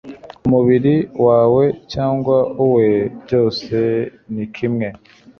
umubiri wawe cyangwa uwe byose nikimwe